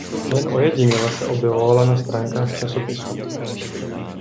Jen ojediněle se objevovala na stránkách časopisů.